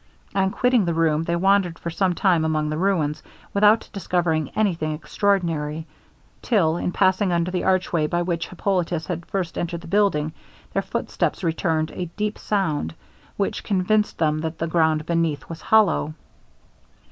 On quitting the room, they wandered for some time among the ruins, without discovering any thing extraordinary, till, in passing under the arch way by which Hippolitus had first entered the building, their footsteps returned a deep sound, which convinced them that the ground beneath was hollow.